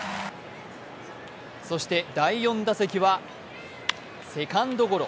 そして、第４打席はセカンドゴロ。